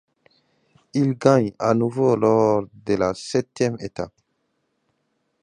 Il gagne à nouveau lors de la septième étape.